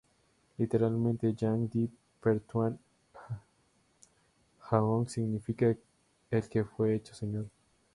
Literalmente Yang di-Pertuan Agong significa "El Que Fue Hecho Señor".